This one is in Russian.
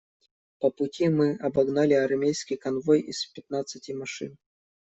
По пути мы обогнали армейский конвой из пятнадцати машин.